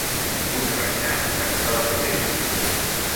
Un reixat tanca la capella.